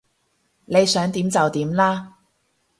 你想點就點啦